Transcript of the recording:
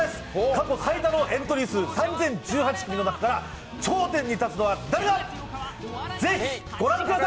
過去最多のエントリー数３０１８組の中から頂点に立つのは誰だ？